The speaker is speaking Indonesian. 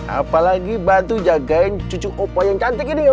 apalagi bantu jagain cucu opo yang cantik ini ya